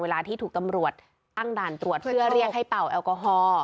ที่ถูกตำรวจตั้งด่านตรวจเพื่อเรียกให้เป่าแอลกอฮอล์